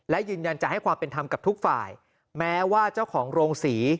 และยืนยันจะให้ความเป็นธรรมกับทุกฝ่ายแม้ว่าเจ้าของโรงศรี